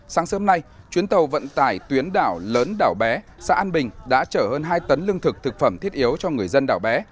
sáng sớm nay chuyến tàu vận tải tuyến đảo lớn đảo bé xã an bình đã chở hơn hai tấn lương thực thực phẩm thiết yếu cho người dân đảo bé